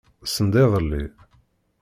Send-iḍelli.